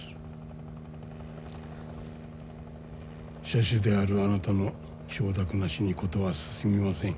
社主であるあなたの承諾なしに事は進みません。